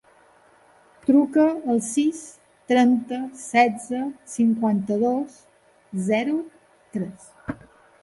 Truca al sis, trenta, setze, cinquanta-dos, zero, tres.